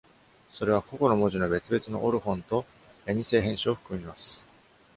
それは個々の文字の別々の「オルホン」と「エニセイ」変種を含みます。